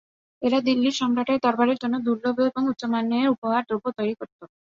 এরা দিল্লীর সম্রাটের দরবারের জন্য দুর্লভ এবং উচ্চমানের উপহার দ্রব্য তৈরি করত।